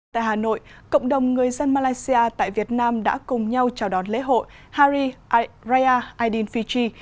tại hà nội cộng đồng người dân malaysia tại việt nam đã cùng nhau chào đón lễ hội hari raya adin fiji